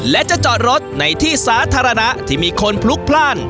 และจะจอดรถในที่สาธารณะที่มีคนพลุกพลาด